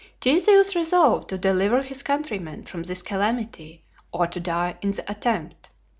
Theseus resolved to deliver his countrymen from this calamity, or to die in the attempt.